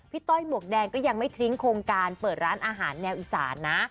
ต้อยหมวกแดงก็ยังไม่ทิ้งโครงการเปิดร้านอาหารแนวอีสานนะ